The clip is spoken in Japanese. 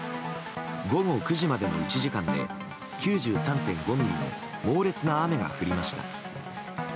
午後９時までの１時間で９３．５ミリの猛烈な雨が降りました。